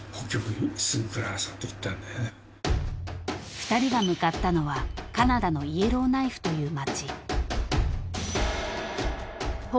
［２人が向かったのはカナダのイエローナイフという町］